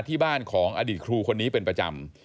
ที่บ้านของอดีตครูคนนี้เป็นประจำ